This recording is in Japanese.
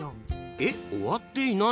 えっ終わっていない？